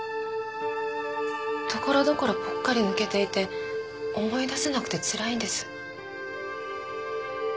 所々ぽっかり抜けていて思い出せなくてつらいんです。